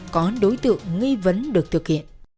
có đối tượng nghi vấn được thực hiện